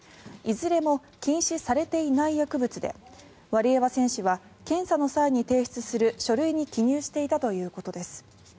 いずれも禁止されていない薬物でワリエワ選手は検査の際に提出する書類に記入していたということです。